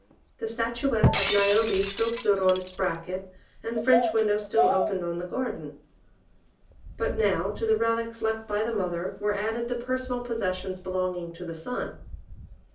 The statuette of Niobe still stood on its bracket, and the French window still opened on the garden. But now, to the relics left by the mother, were added the personal possessions belonging to the son.